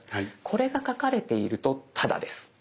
これが書かれているとタダです。